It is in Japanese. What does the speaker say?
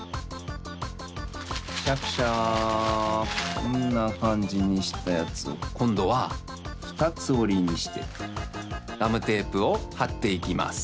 こんなかんじにしたやつをこんどはふたつおりにしてガムテープをはっていきます。